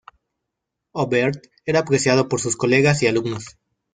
Aubert era apreciado por sus colegas y alumnos.